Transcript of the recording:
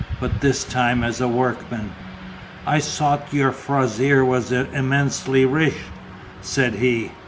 but this time as a workman." "I sought your fazer was immensely reech," said he.